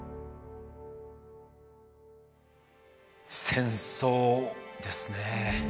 戦争ですね。